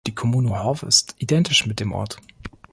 Die Kommune Hov ist identisch mit dem Ort.